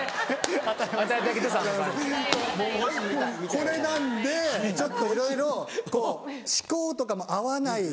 これなんでちょっといろいろ思考とかも合わない。